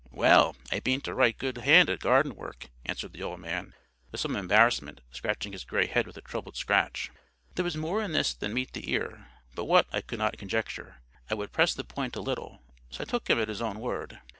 "Well, I beant a right good hand at garden work," answered the old man, with some embarrassment, scratching his gray head with a troubled scratch. There was more in this than met the ear; but what, I could not conjecture. I would press the point a little. So I took him at his own word.